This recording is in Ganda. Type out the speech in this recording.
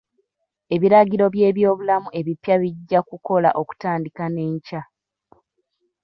Ebiragiro by'ebyobulamu ebippya bijja kukola okutandika n'enkya.